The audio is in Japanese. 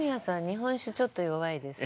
日本酒ちょっと弱いです。